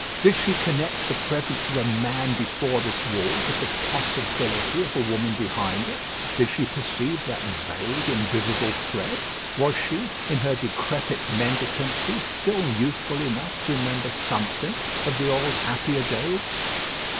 Did she connect the presence of a man before this wall with the possibility of a woman behind it? Did she perceive that vague, invisible thread? Was she, in her decrepit mendicancy, still youthful enough to remember something of the old happier days?